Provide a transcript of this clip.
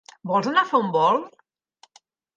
Vols anar a fer un volt?